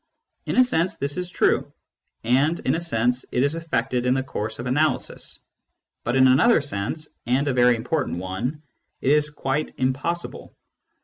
In a sense this is true, and in a sense it is effected in the course of analysis. But in another sense, and a very important one, it is quite impossible.